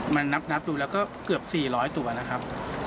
มันนับดูแล้วก็เกือบ๔๐๐ตัวนะครับ